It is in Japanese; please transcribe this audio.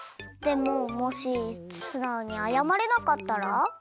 でももしすなおにあやまれなかったら？